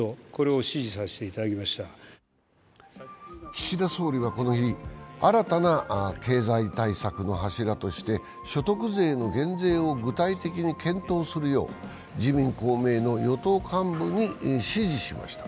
岸田総理はこの日新たな経済対策の柱として所得税の減税を具体的に検討するよう自民・公明の与党幹部に指示しました。